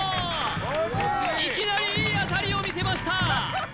いきなりいい当たりを見せました